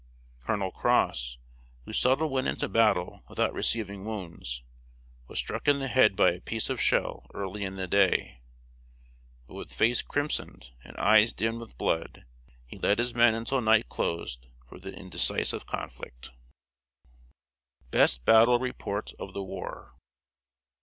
Colonel Cross, who seldom went into battle without receiving wounds, was struck in the head by a piece of shell early in the day, but with face crimsoned and eyes dimmed with blood, he led his men until night closed the indecisive conflict. [Sidenote: BEST BATTLE REPORT OF THE WAR.